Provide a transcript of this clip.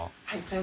はい。